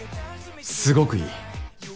すごくいい。